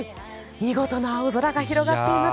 見事な青空が広がっています。